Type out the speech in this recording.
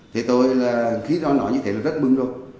thì tôi là khi nó nói như thế là rất mừng rồi